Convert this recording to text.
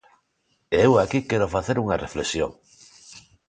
E eu aquí quero facer unha reflexión.